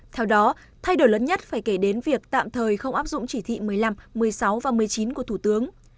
theo đó thay đổi lớn nhất phải kể đến việc tạm thời không áp dụng chỉ thị một mươi năm một mươi sáu và một mươi chín của thủ tướng